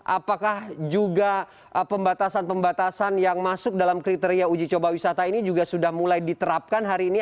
apakah juga pembatasan pembatasan yang masuk dalam kriteria uji coba wisata ini juga sudah mulai diterapkan hari ini